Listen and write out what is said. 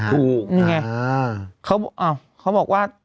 ถูกเหนื่อยไงอ่ะอะสุนวนิวเค้าบอกว่า